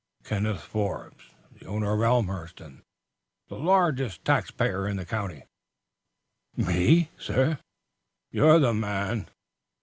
"Kenneth Forbes, the owner of Elmhurst, and the largest taxpayer in the county." "Me, sir?" "You're the man."